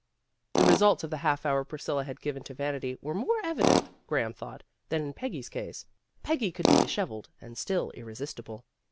The results of the half hour Priscilla had given to vanity were more evident, Graham thought, than in Peggy's case. Peggy could be disheveled and still irresistible.